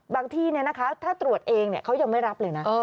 ที่ถ้าตรวจเองเขายังไม่รับเลยนะ